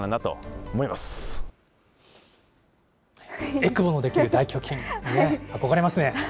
えくぼの出来る大胸筋、憧れますね。